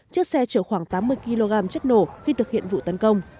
chiếc xe chở khoảng tám mươi kg chất nổ